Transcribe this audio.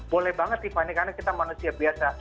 boleh banget tiffany karena kita manusia biasa